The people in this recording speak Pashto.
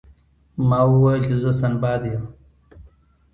ما وویل چې زه سنباد یم.